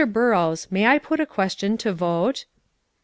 Burrows, may I put a question to vote?"